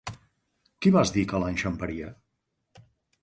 Qui vas dir que l'enxamparia?